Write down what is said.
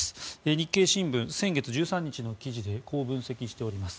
日経新聞、先月１３日の新聞でこう分析しております。